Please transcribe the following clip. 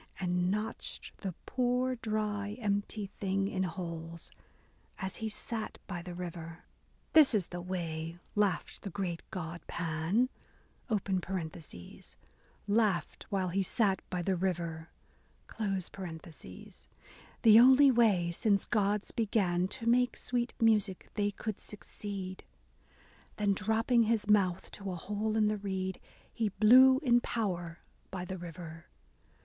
And notched the poor dry empty thing In holes, as he sate by the river. A DAY WITH E. B. BROWNING "This is the way," laughed the great god Pan, (Laughed while he sate by the river), "The only way, since gods began To make sweet music, they could succeed." Then, dropping his mouth to a hole in the reed. He blew in power by the river.